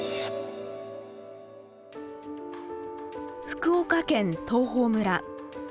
福岡県東峰村。